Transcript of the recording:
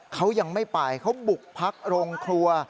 เขายังไม่ไปเขาบุกพักโรงครัว